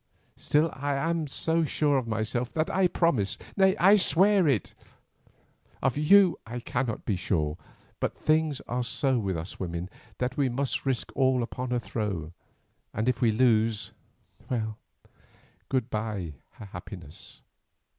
Still I am so sure of myself that I promise—nay I swear it. Of you I cannot be sure, but things are so with us women that we must risk all upon a throw, and if we lose, good bye to happiness."